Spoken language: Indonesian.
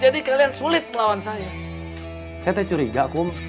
jadi kalian sulit melawan saya